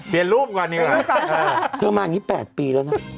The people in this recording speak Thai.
เธอมาอย่างงี้๘ปีแล้วนะ